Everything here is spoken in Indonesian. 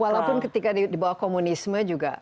walaupun ketika dibawah komunisme juga